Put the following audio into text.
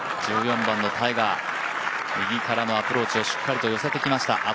１４番のタイガー右からのアプローチをしっかりと寄せてきました